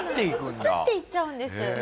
移っていっちゃうんです。